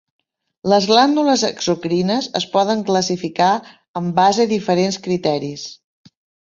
Les glàndules exocrines es poden classificar en base diferents criteris.